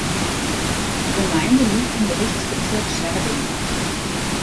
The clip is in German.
Die Gemeinde liegt im Gerichtsbezirk Schärding.